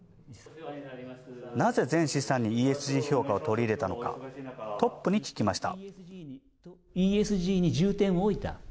なぜ全資産にＥＳＧ評価を取り入れたのか、トップに聞きました。